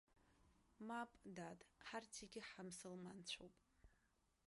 Мап, дад, ҳарҭ зегьы ҳамсылманцәоуп!